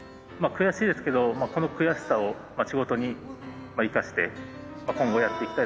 悔しいですけどこの悔しさを仕事に生かして今後やっていきたいと思います。